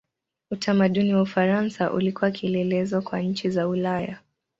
Utamaduni wa Ufaransa ulikuwa kielelezo kwa nchi za Ulaya.